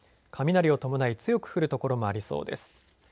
雷を伴い強く降る所もありそうです。